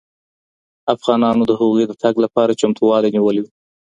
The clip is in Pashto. افغانانو د هغوی د تګ لپاره چمتووالی نیولی و.